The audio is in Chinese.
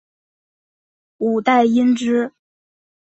五代因之。